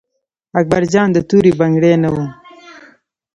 اکبر جان د تورې بنګړي نه و.